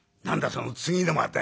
その『次の間』って？」。